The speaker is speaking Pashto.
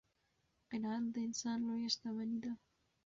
قناعت د انسان لویه شتمني ده.